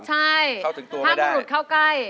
ใช่ถ้าบุรุษเข้าใกล้